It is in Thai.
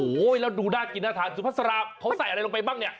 โอ้โหแล้วดูน่ากินน่าทานสุภาษาเขาใส่อะไรลงไปบ้างเนี่ย